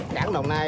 cảng đồng nai